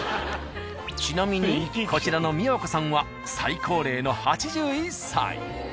ちなみにこちらの三和子さんは最高齢の８１歳。